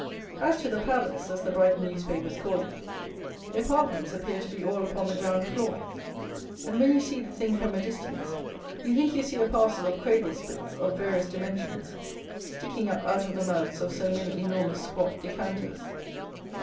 As to the "palace" as the Brighton newspapers call it, the apartments appear to be all upon the ground floor; and, when you see the thing from a distance, you think you see a parcel of cradle spits, of various dimensions, sticking up out of the mouths of so many enormous squat decanters.